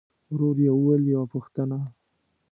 ورو يې وويل: يوه پوښتنه!